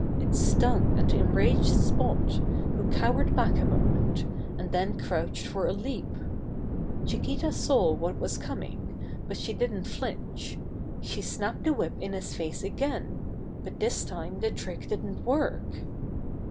It stung and enraged Spot, who cowered back a moment, and then crouched for a leap. Chiquita saw what was coming, but she didn't flinch. She snapped the whip in his face again, but this time the trick didn't work.